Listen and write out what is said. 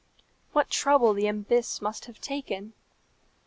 What trouble the abyss must have taken!